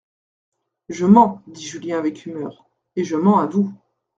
Je mens, dit Julien avec humeur, et je mens à vous.